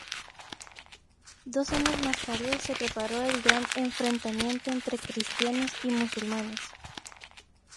Dos años más tarde se preparó el gran enfrentamiento entre cristianos y musulmanes.